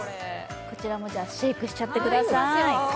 こちらもシェイクしちゃってください。